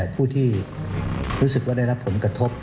ผู้ที่รู้สึกว่าได้รับผลกระทบ